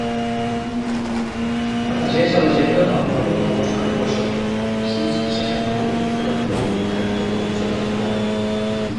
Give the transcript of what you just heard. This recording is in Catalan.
Afegeix a l'agenda el número de l'Òscar Bueso: sis, seixanta-u, quaranta-u, trenta-u, setanta-u.